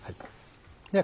では